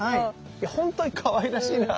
いや本当にかわいらしいなぁ。